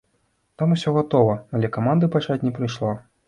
Там усё гатова, але каманды пачаць не прыйшло.